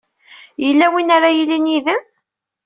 Yella win ara yilin yid-m?